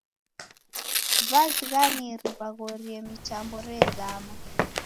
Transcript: W'azighaniri w'aghorie mitambo rezama.